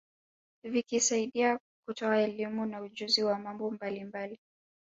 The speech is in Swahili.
Vikisaidia kutoa elimu na ujuzi wa mambo mbalimbali